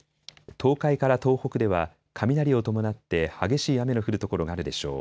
東海から東北では雷を伴って激しい雨の降る所があるでしょう。